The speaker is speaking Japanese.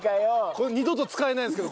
これ二度と使えないですけど